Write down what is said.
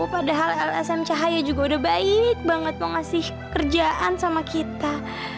padahal lsm cahaya juga udah baik banget mau ngasih kerjaan sama kita